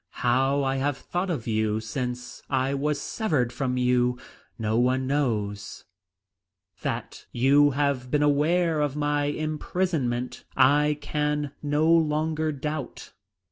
How I have thought of you since I was severed from you no one knows. That you have been aware of my imprisonment I can no longer doubt.